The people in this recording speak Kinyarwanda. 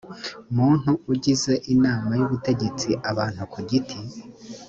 muntu ugize inama y ubutegetsi abantu ku giti